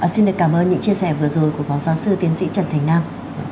xin được cảm ơn những chia sẻ vừa rồi của phó giáo sư tiến sĩ trần thành nam